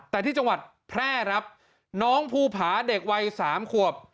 แต่ที่จังหวัดแพร่ครับน้องภูผาเด็กวัย๓ขวบ